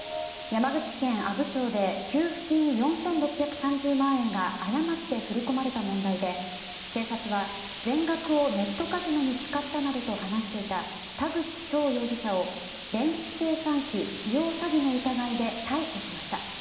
山口県阿武町で給付金４６３０万円が誤って振り込まれた問題で警察は、全額をネットカジノに使ったなどと話していた田口翔容疑者を電子計算機使用詐欺の疑いで逮捕しました。